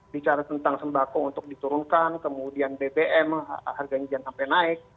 bicara tentang sembako untuk diturunkan kemudian bbm harganya jangan sampai naik